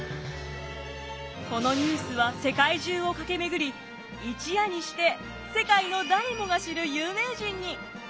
このニュースは世界中を駆け巡り一夜にして世界の誰もが知る有名人に！